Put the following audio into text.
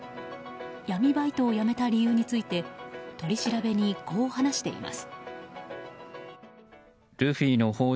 闇バイトを辞めた理由について取り調べにこう話しています。